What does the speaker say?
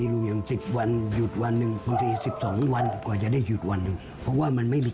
ปริศน์ทิโลยีและค่ามากก็ไม่รัก